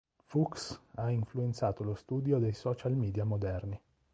Fuchs ha influenzato lo studio dei social media moderni.